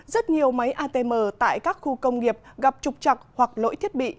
rất nhiều máy atm tại các khu công nghiệp gặp trục chặt hoặc lỗi thiết bị